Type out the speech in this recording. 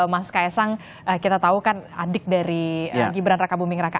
mas kaisang kita tahu kan adik dari gibran raka buming raka